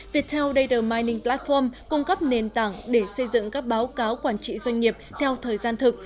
viettel data mining platform cung cấp nền tảng để xây dựng các báo cáo quản trị doanh nghiệp theo thời gian thực